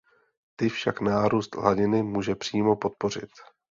Ty však nárůst hladiny může přímo podpořit.